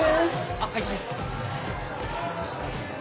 あっはいはい。